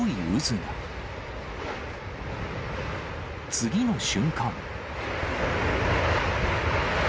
次の瞬間。